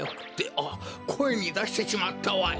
あっこえにだしてしまったわい！